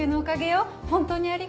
本当にありがとう。